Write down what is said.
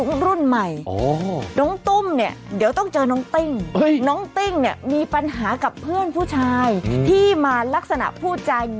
รุ่นใหม่น้องตุ้มเนี่ยเดี๋ยวต้องเจอน้องติ้งน้องติ้งเนี่ยมีปัญหากับเพื่อนผู้ชายที่มาลักษณะพูดจา